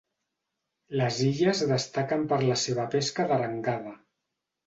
Les illes destaquen per la seva pesca d'arengada.